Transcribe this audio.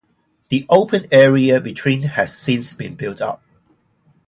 The open area between has since been built up.